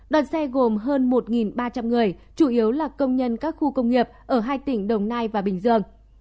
đợt xe gồm hơn một ba trăm linh người chủ yếu là công nhân các khu công nghiệp ở hai tỉnh đồng nai và bình dương